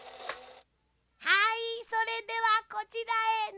はいそれではこちらへのせて。